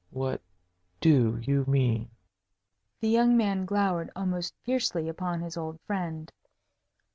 "What do you mean?" The young man glowered almost fiercely upon his old friend.